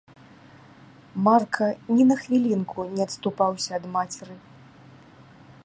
Марка ні на хвілінку не адступаўся ад мацеры.